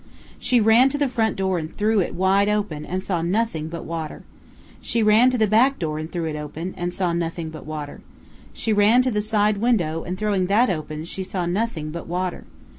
She ran to the front door and threw it wide open, and saw nothing but water. She ran to the back door and threw it open, and saw nothing but water. She ran to the side window, and throwing that open, she saw nothing but water.